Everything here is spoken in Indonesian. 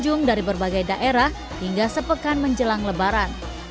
pengunjung dari berbagai daerah hingga sepekan menjelang lebaran